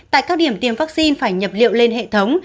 tại các điểm tiêm vaccine phải nhập liệu lên hệ thống